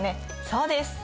そうです。